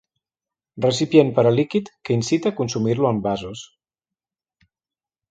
Recipient per a líquid que incita a consumir-lo en vasos.